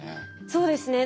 そうですね。